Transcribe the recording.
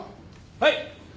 はい。